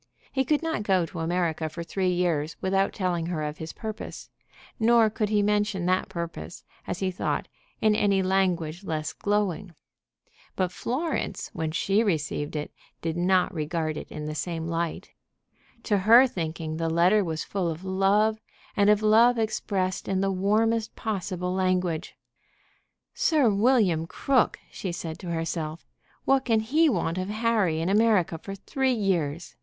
He could not go to America for three years without telling her of his purpose; nor could he mention that purpose, as he thought, in any language less glowing. But Florence, when she received it, did not regard it in the same light. To her thinking the letter was full of love, and of love expressed in the warmest possible language. "Sir William Crook!" she said to herself. "What can he want of Harry in America for three years?